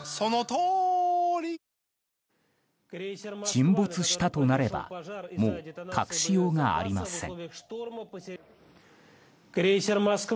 沈没したとなればもう隠しようがありません。